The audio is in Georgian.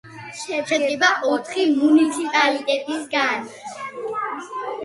შედგება ოთხი მუნიციპალიტეტისგან.